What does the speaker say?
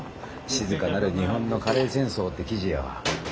静かなる日本のカレー戦争」って記事よ。